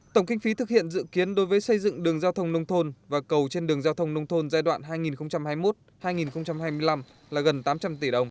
tổng kinh phí thực hiện dự kiến đối với xây dựng đường giao thông nông thôn và cầu trên đường giao thông nông thôn giai đoạn hai nghìn hai mươi một hai nghìn hai mươi năm là gần tám trăm linh tỷ đồng